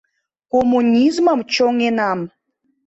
Коммунизмым чоҥенам...